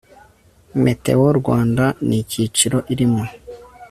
METEO RWANDA N ICYICIRO IRIMO